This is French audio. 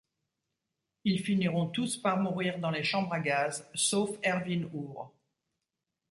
Ils finiront tous par mourir dans les chambres à gaz sauf Erwin Uhr.